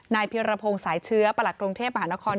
นายพิรพพงศ์สายเชื้อประหลักกรุงเทพหานคร